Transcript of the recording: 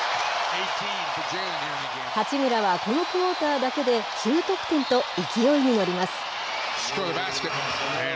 八村はこのクオーターだけで９得点と、勢いに乗ります。